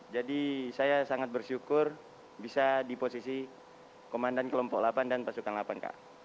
jadi saya sangat bersyukur bisa di posisi komandan kelompok delapan dan pasukan delapan